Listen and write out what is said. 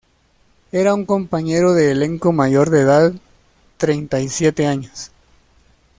Era un compañero de elenco; mayor de edad, treinta y siete años.